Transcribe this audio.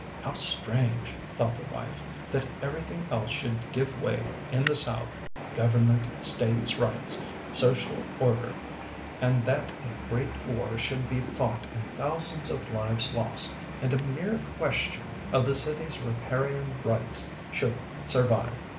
"How strange! thought the wife, "that everything else should give way in the South government, states rights, social order and that a great war should be fought and thousands of lives lost, and a mere question WALKING THE RAINBOW 117 of the city s Riparian rights should survive!